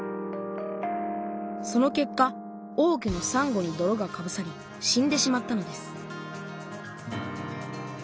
その結果多くのさんごにどろがかぶさり死んでしまったのです